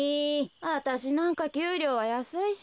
あたしなんかきゅうりょうはやすいし。